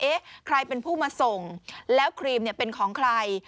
ใครเป็นผู้มาส่งแล้วครีมเป็นของใคร